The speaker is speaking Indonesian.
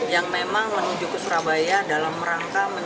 yang memang menuju ke surabaya dalam rangka